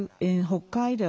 北海道